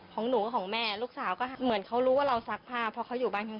ของหนูก็ของแม่ลูกสาวก็เหมือนเขารู้ว่าเราซักผ้าเพราะเขาอยู่บ้านข้าง